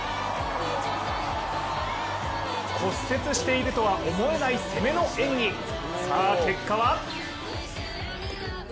骨折しているとは思えない攻めの演技、さあ結果は？